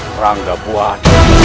perang tak buat